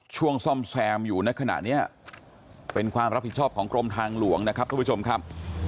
ซ่อมแซมอยู่ในขณะนี้เป็นความรับผิดชอบของกรมทางหลวงนะครับทุกผู้ชมครับ